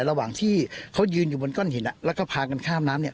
ระหว่างที่เขายืนอยู่บนก้อนหินแล้วก็พากันข้ามน้ำเนี่ย